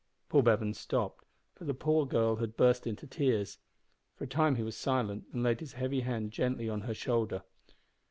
Paul Bevan stopped, for the poor girl had burst into tears. For a time he was silent and laid his heavy hand gently on her shoulder.